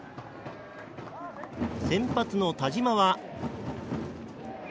先発の田嶋は。